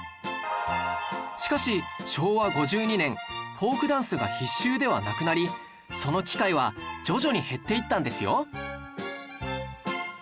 しかし昭和５２年フォークダンスが必修ではなくなりその機会は徐々に減っていたんですよ